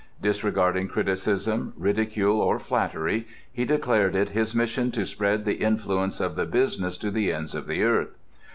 Disregarding criticism, ridicule, or flattery, he declared it his mission to spread the influence of the business to the ends of the earth.